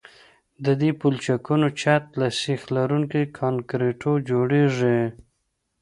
د دې پلچکونو چت له سیخ لرونکي کانکریټو جوړیږي